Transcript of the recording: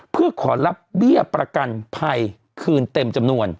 เพื่อขอรับเบี้ยประกันภัยคืนเต็มจำนวน